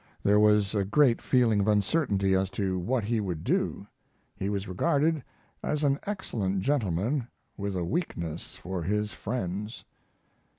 There was a great feeling of uncertainty as to what he would do. He was regarded as "an excellent gentleman with a weakness for his friends."